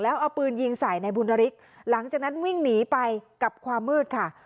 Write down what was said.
แล้วเอาปืนยิงใส่ในบุญนริกหลังจากนั้นวิ่งหนีไปกับความมืดค่ะ